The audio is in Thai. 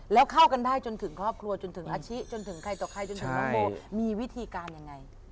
แล้วเข้ากันได้จนถึงครอบครัวจนถึงอาชิจนถึงใครต่อใครจนถึงน้องโมมีวิธีการยังไง